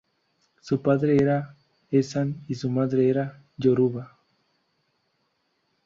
Su padre era Esan y su madre era Yoruba.